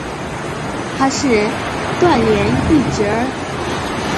他是段廉义侄儿。